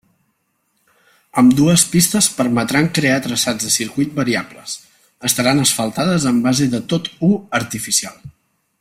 Ambdues pistes permetran crear traçats de circuit variables, estaran asfaltades amb base de tot-u artificial.